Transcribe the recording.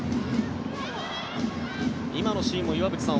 今のシーンも岩渕さん